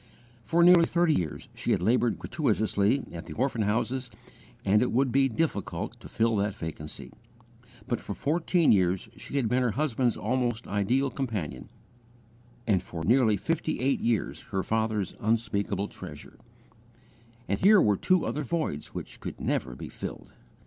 For nearly thirty years she had laboured gratuitously at the orphan houses and it would he difficult to fill that vacancy; but for fourteen years she had been her husband's almost ideal companion, and for nearly fifty eight years her father's unspeakable treasure and here were two other voids which could never be filled.